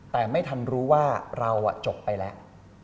แต่ไม่ทันรู้ว่าเราจบไปแล้ว